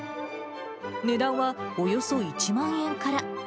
値段はおよそ１万円から。